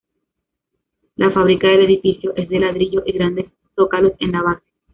La fábrica del edificio es de ladrillo y grandes zócalos en la base.